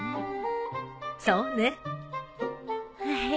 そうね。